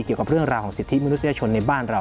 เกี่ยวกับเรื่องราวของสิทธิมนุษยชนในบ้านเรา